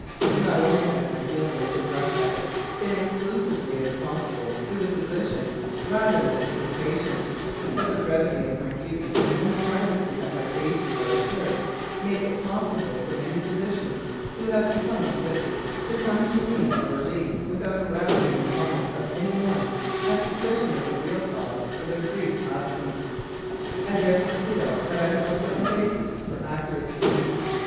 Not only has my dealing with the drug habit been as exclusively as possible through the physician rather than through the patient, but the brevity of my treatment and the privacy that my patients are assured make it possible for many physicians who have become afflicted to come to me for relief without arousing in the mind of any one a suspicion of the real cause for their brief absence. I therefore feel that I have a firm basis for accuracy.